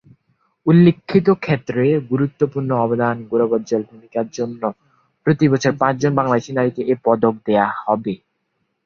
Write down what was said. উল্লিখিত ক্ষেত্রে গুরুত্বপূর্ণ অবদান ও গৌরবোজ্জ্বল ভূমিকার জন্য প্রতি বছর পাঁচজন বাংলাদেশী নারীকে এই পদক দেওয়া হবে।